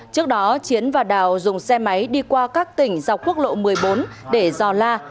trước đó chiến và đào dùng xe máy đi qua các tỉnh dọc quốc lộ một mươi bốn để dò la